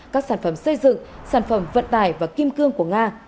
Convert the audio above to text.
các sản phẩm xây dựng sản phẩm vận tải và kim cương của nga